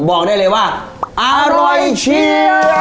บอกได้เลยว่าอร่อยเชียว